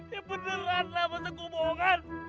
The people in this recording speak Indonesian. ya beneran lah masa kok bohongan